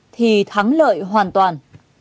thì thắng lợi hoàn toàn